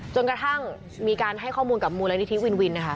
จนกระทั่งมีการให้ข้อมูลกับมูลนิธิวินวินนะคะ